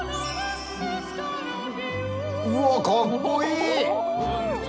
うわかっこいい！